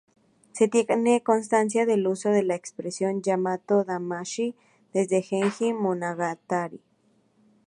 Se tiene constancia del uso de la expresión yamato-damashii desde Genji Monogatari.